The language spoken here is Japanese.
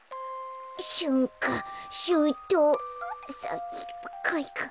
しゅんかしゅうとうあさひるかいか。